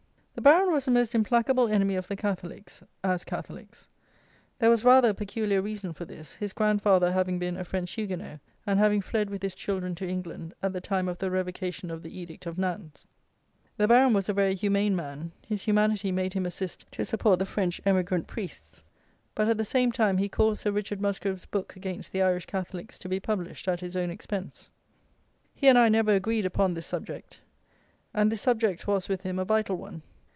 The Baron was a most implacable enemy of the Catholics, as Catholics. There was rather a peculiar reason for this, his grand father having been a French Hugonot and having fled with his children to England, at the time of the revocation of the Edict of Nantz. The Baron was a very humane man; his humanity made him assist to support the French emigrant priests; but, at the same time, he caused Sir Richard Musgrave's book against the Irish Catholics to be published at his own expense. He and I never agreed upon this subject; and this subject was, with him, a vital one.